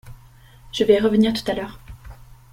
Je vais revenir tout à l’heure.